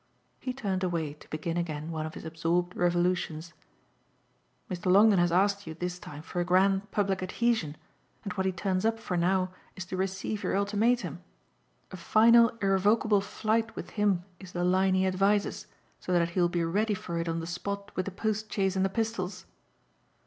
He turned away to begin again one of his absorbed revolutions. "Mr. Longdon has asked you this time for a grand public adhesion, and what he turns up for now is to receive your ultimatum? A final irrevocable flight with him is the line he advises, so that he'll be ready for it on the spot with the post chaise and the pistols?"